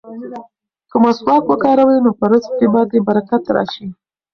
که مسواک وکاروې نو په رزق کې به دې برکت راشي.